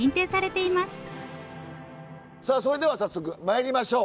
さあそれでは早速まいりましょう！